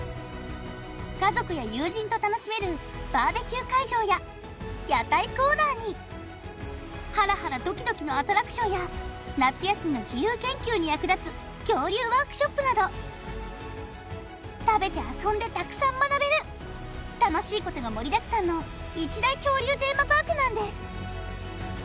家族や友人と楽しめるバーベキュー会場や屋台コーナーにハラハラドキドキのアトラクションや夏休みの自由研究に役立つ恐竜ワークショップなど食べて遊んでたくさん学べる楽しいことが盛りだくさんの一大恐竜テーマパークなんです